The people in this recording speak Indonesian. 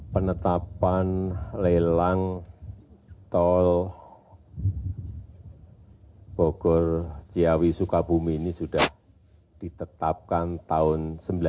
penetapan lelang tol bogor ciawi sukabumi ini sudah ditetapkan tahun seribu sembilan ratus sembilan puluh